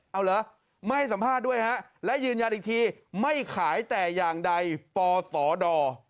เอาเหรอไม่สัมภาษณ์ด้วยฮะและยืนยันอีกทีไม่ขายแต่อย่างใดปสด